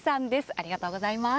ありがとうございます。